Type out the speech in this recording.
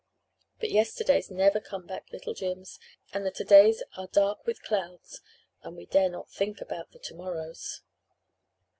But yesterdays never come back, little Jims and the todays are dark with clouds and we dare not think about the tomorrows."